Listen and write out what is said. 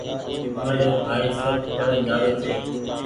مآري ڀآئي سب پڙين جآوي ڇي